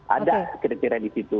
ada ketiranya di situ